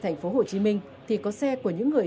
thành phố hồ chí minh thì có xe của những người